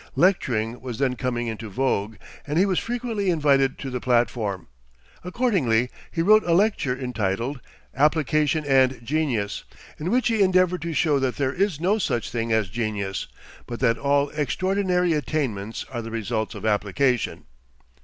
Lecturing was then coming into vogue, and he was frequently invited to the platform. Accordingly, he wrote a lecture, entitled "Application and Genius," in which he endeavored to show that there is no such thing as genius, but that all extraordinary attainments are the results of application.